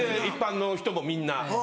一般の人もみんな。